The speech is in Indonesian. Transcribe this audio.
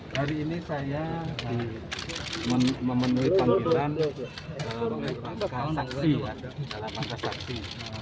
dalam angka saksi